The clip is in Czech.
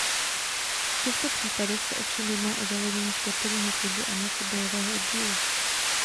V těchto případech se ovšem jedná o založení sportovního klubu a ne fotbalového oddílu.